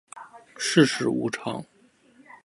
世事无常